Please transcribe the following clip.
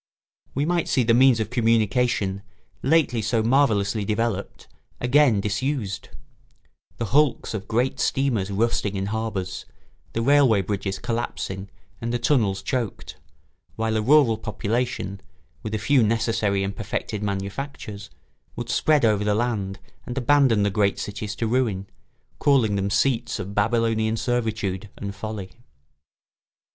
We might see the means of communication, lately so marvellously developed, again disused; the hulks of great steamers rusting in harbours, the railway bridges collapsing and the tunnels choked; while a rural population, with a few necessary and perfected manufactures, would spread over the land and abandon the great cities to ruin, calling them seats of Babylonian servitude and folly.